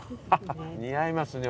似合いますね。